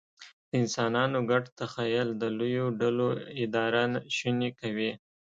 د انسانانو ګډ تخیل د لویو ډلو اداره شونې کوي.